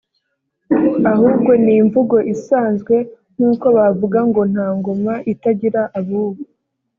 ahubwo ni imvugo isanzwe nkúko bavuga ngo nta ngoma itagira abubu